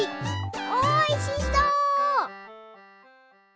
おいしそう。